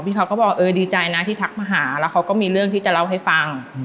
เขาก็บอกเออดีใจนะที่ทักมาหาแล้วเขาก็มีเรื่องที่จะเล่าให้ฟัง